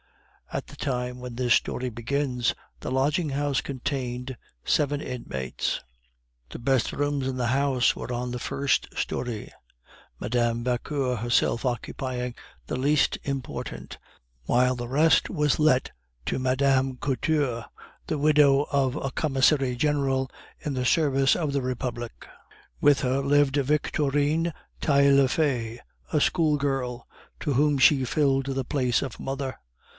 At the time when this story begins, the lodging house contained seven inmates. The best rooms in the house were on the first story, Mme. Vauquer herself occupying the least important, while the rest were let to a Mme. Couture, the widow of a commissary general in the service of the Republic. With her lived Victorine Taillefer, a schoolgirl, to whom she filled the place of mother.